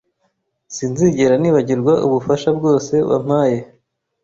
Sinzigera nibagirwa ubufasha bwose wampaye